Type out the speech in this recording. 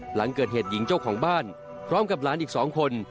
หลังเกิดเหตุหญิงเจ้าของบ้านพร้อมกับหลานอีก๒คน